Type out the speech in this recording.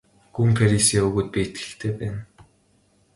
Гүн Парис яваагүйд би итгэлтэй байна.